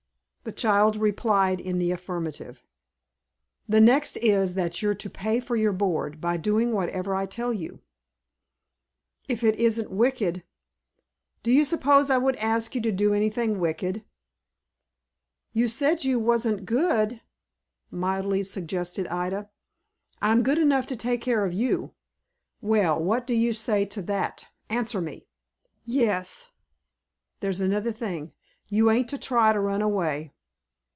The child replied in the affirmative. "The next is, that you're to pay for your board, by doing whatever I tell you." "If it isn't wicked." "Do you suppose I would ask you to do anything wicked?" "You said you wasn't good," mildly suggested Ida. "I'm good enough to take care of you. Well, what do you say to that? Answer me." "Yes." "There's another thing. You ain't to try to run away."